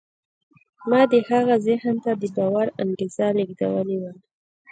ما د هغه ذهن ته د باور انګېزه لېږدولې وه.